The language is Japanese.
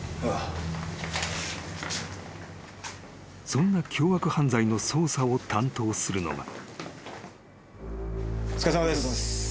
［そんな凶悪犯罪の捜査を担当するのが］